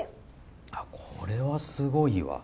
あっこれはすごいわ。